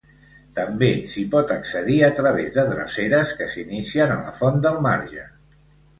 També s'hi pot accedir a través de dreceres que s'inicien a la font del Marge.